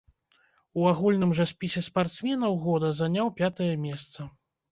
У агульным жа спісе спартсменаў года заняў пятае месца.